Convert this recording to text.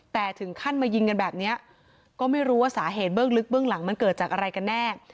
แต่ถึงขั้นมายิงกันแบบนี้ก็ไม่รู้ว่าสาเหตุเบื้องลึกเบื้องหลังมันเกิดจากอะไรกันแน่